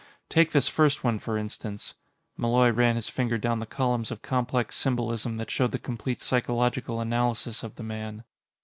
Take this first one, for instance. Malloy ran his finger down the columns of complex symbolism that showed the complete psychological analysis of the man.